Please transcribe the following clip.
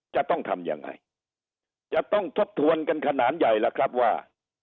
จะต้องทำยังไงจะต้องทบทวนกันขนาดใหญ่ล่ะครับว่า